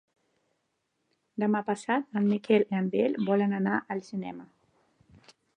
Demà passat en Miquel i en Biel volen anar al cinema.